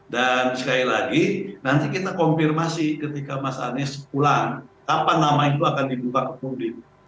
dan sekali lagi nanti kita konfirmasi ketika mas anies pulang kapan nama itu akan dibuka ke publik